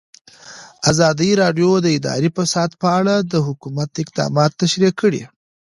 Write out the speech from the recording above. ازادي راډیو د اداري فساد په اړه د حکومت اقدامات تشریح کړي.